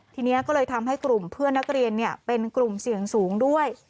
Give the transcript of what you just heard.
ทีนี้ก็เลยทำให้กลุ่มเพื่อนนักเรียนเป็นกลุ่มเสี่ยงสูงด้วย